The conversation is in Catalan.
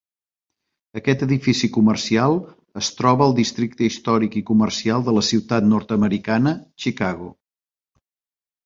Aquest edifici comercial es troba al districte històric i comercial de la ciutat nord-americana, Chicago.